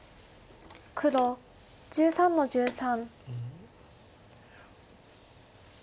黒１３の十三。